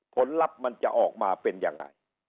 ผลลัพธ์มันจะออกมาเป็นยังไง